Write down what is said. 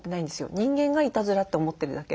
人間がいたずらと思ってるだけで。